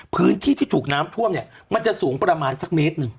พื้นที่ที่ถูกน้ำท่วมเนี่ยมันจะสูงประมาณสักเมตรหนึ่ง